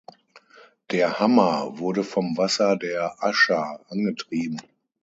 Der Hammer wurde vom Wasser der Ascha angetrieben.